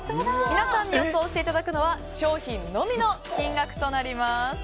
皆さんに予想していただくのは商品のみの金額となります。